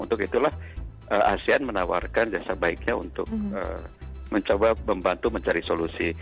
untuk itulah asean menawarkan jasa baiknya untuk mencoba membantu mencari solusi